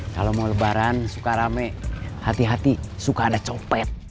kalau mau lebaran suka rame hati hati suka ada copet